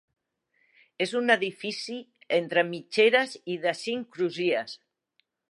És un edifici entre mitgeres i de cinc crugies.